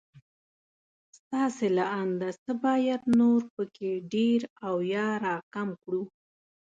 ستاسې له انده څه بايد نور په کې ډېر او يا را کم کړو